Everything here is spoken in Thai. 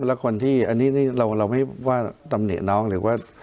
แล้วคนที่อันนี้เราไม่ว่าตำหนิน้องหรือว่า